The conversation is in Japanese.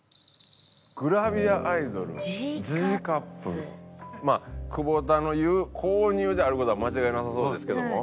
「グラビアアイドルＧカップ」まあ久保田の言う高乳である事は間違いなさそうですけども。